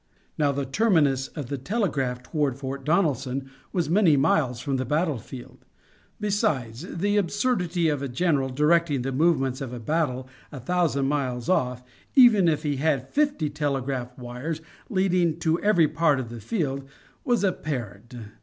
Now the terminus of the telegraph toward Fort Donelson was many miles from the battlefield. Besides, the absurdity of a general directing the movements of a battle a thousand miles off, even if he had fifty telegraph wires leading to every part of the field, was apparent.